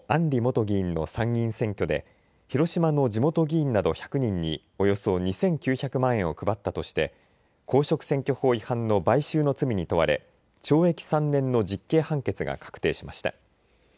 里元議員の参議院選挙で広島の地元議員など１００人におよそ２９００万円を配ったとして公職選挙法違反の買収の罪に問われ、懲役３年の実刑判決が確定しました。